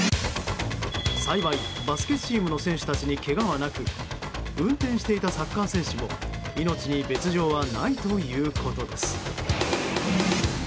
幸いバスケチームの選手たちにけがはなく運転していたサッカー選手も命に別条はないということです。